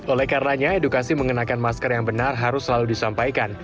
oleh karenanya edukasi mengenakan masker yang benar harus selalu disampaikan